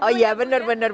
oh iya benar benar